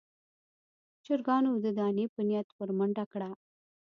چرګانو د دانې په نيت ور منډه کړه.